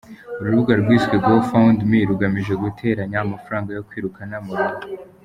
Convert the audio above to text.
uru rubuga rwise GoFundMe rugamije guteranya amafaranga yo kwirukana Mourinho.